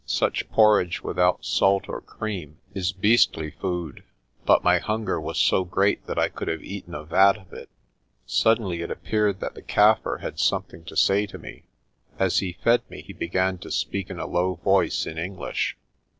Such porridge without salt or cream is beastly food, but my hunger was so great that I could have eaten a vat of it. Suddenly it appeared that the Kaffir had something to say to me. As he fed me he began to speak in a low voice in English.